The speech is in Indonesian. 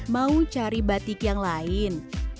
mau cari batik yang lain